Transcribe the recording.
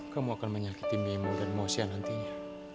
kamu akan menyakiti mimu dan mosia nantinya